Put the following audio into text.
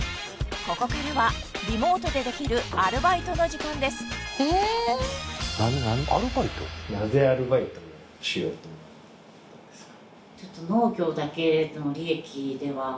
ここからはリモートでできるアルバイトの時間ですをしようと思ったんですか？